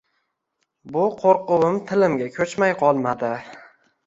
Bu qo`rquvim tilimga ko`chmay qolmadi